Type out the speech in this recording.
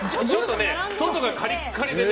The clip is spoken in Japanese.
外がカリッカリでね